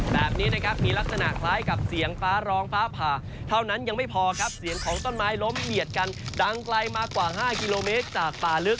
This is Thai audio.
แบบนี้นะครับมีลักษณะคล้ายกับเสียงฟ้าร้องฟ้าผ่าเท่านั้นยังไม่พอครับเสียงของต้นไม้ล้มเหยียดกันดังไกลมากว่า๕กิโลเมตรจากป่าลึก